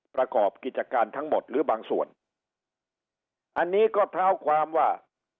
ประกอบกิจการทั้งหมดหรือบางส่วนอันนี้ก็เท้าความว่า